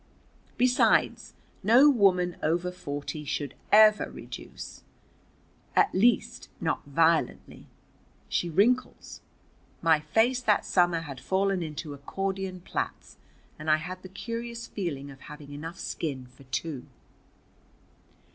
Besides, no woman over forty should ever reduce, at least not violently. She wrinkles. My face that summer had fallen into accordion plaits, and I had the curious feeling of having enough skin for two.